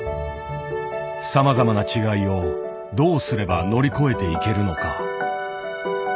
さまざまな違いをどうすれば乗り越えていけるのか。